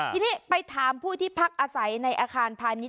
พี่นี่ไปถามผู้ที่พักอาศัยในอาคารภายนี้